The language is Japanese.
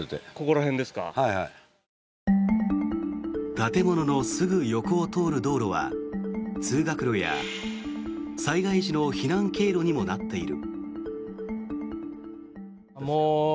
建物のすぐ横を通る道路は通学路や災害時の避難経路にもなっている。